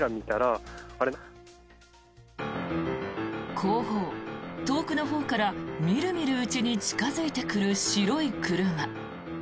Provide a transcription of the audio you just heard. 後方、遠くのほうから見る見るうちに近付いてくる白い車。